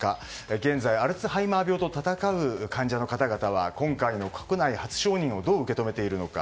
現在、アルツハイマー病と闘う患者の方々は今回の国内初承認をどう受け止めているのか。